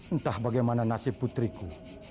entah bagaimana nasib putriku